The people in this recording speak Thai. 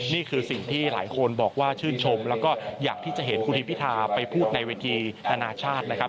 นี่คือสิ่งที่หลายคนบอกว่าชื่นชมแล้วก็อยากที่จะเห็นคุณทิมพิธาไปพูดในเวทีนานาชาตินะครับ